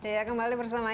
ya kembali bersama